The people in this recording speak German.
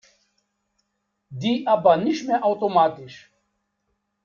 Die aber nicht mehr automatisch.